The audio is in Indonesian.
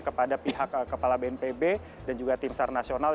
kepada pihak kepala bnpb dan juga tim sar nasional